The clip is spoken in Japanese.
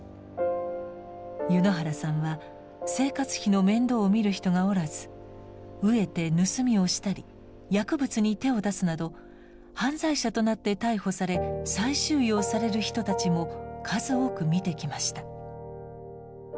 柚之原さんは生活費の面倒を見る人がおらず飢えて盗みをしたり薬物に手を出すなど犯罪者となって逮捕され再収容される人たちも数多く見てきました。